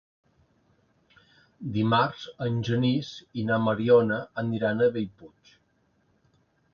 Dimarts en Genís i na Mariona aniran a Bellpuig.